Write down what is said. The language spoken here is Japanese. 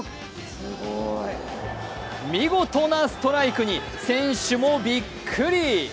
見事なストライクに選手もびっくり！